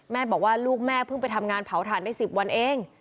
บอกว่าลูกแม่เพิ่งไปทำงานเผาถ่านได้๑๐วันเอง